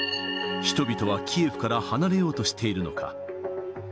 人々はキエフから離れようとしているのか。